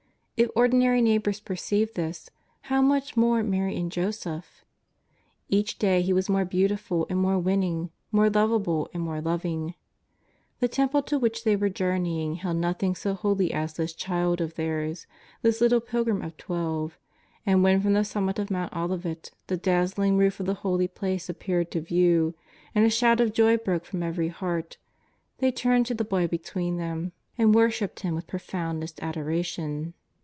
If ordinary neighbours perceived this, how much more Mary and Joseph. Each day He was more beautiful and more winning, more lovable and more loving. The Temple to which they were journeying held nothing so holy as this Child of theirs, this little Pilgrim of twelve, and when from the summit of Mount Olivet the dazzling roof of the Holy Place appeared to view, and a shout of joy broke from every heart, they turned to the Boy between them and worshipped Him with profoundest adoration.